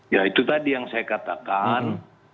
ya itu tadi yang saya katakan